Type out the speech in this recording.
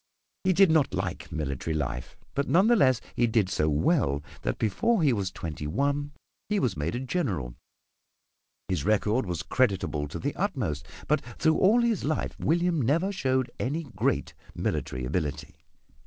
He did not like military life, but none the less he did so well that before he was twenty one he was made a General. His record was creditable to the utmost, but through all his life William never showed any great military ability.